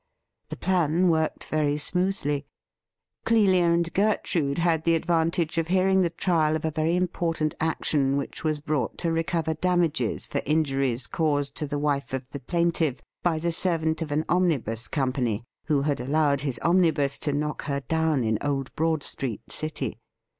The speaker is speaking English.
The plan worked very smoothly. Clelia and Gertrude had the advantage of hearing the trial of a very important action which was brought to recover damages for injuries caused to the wife of the plaintiff by the servant of an omnibus company who had allowed his omnibus to knock her down in Old Broad Street, City.